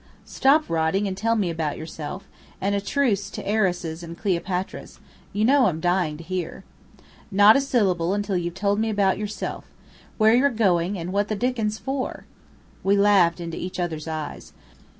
"Stop rotting, and tell me about yourself; and a truce to heiresses and Cleopatras. You know I'm dying to hear." "Not a syllable, until you've told me about _your_self. Where you're going, and what the dickens for!" We laughed into each other's eyes.